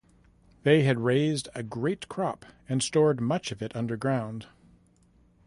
They had raised a great crop and stored much of it underground.